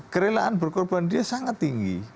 kerelaan berkorban dia sangat tinggi